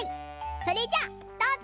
それじゃどうぞ。